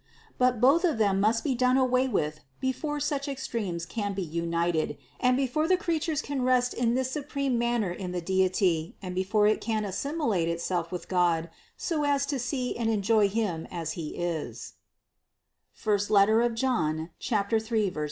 But both of them must be done away with before such ex tremes can be united, and before the creatures can rest in this supreme manner in the Deity and before it can as similate itself with God so as to see and enjoy Him as He is (I John 3, 2). 625.